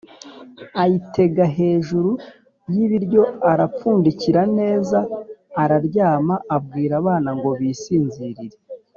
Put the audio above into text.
ayitega hejuru y’ibiryo arapfundikira neza araryama abwira abana ngo bisinzirire.